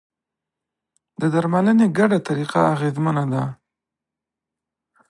د درملنې ګډه طریقه اغېزمنه ده.